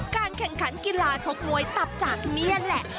การแข่งขันกีฬาชกมวยตับจากนี่แหละ